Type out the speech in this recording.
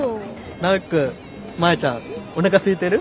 ナオキ君マヤちゃんおなかすいてる？